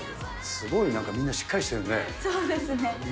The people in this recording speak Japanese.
すごい、なんかみんなしっかそうですね。